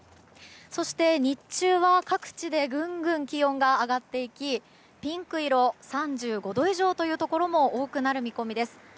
そして、日中は各地でぐんぐん気温が上がっていきピンク色３５度以上というところも多くなる見込みです。